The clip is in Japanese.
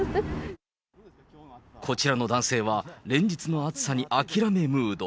こちらの男性は、連日の暑さに諦めムード。